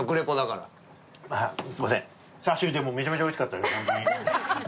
チャーシューめちゃめちゃおいしかったです。